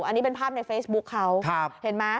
อันนี้เป็นภาพในเฟซบุ๊คเขาเห็นไหม